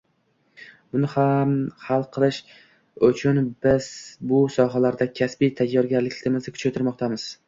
Buni hal qilish uchun biz bu sohalarda kasbiy tayyorgarlikni kuchaytirmoqdamiz ”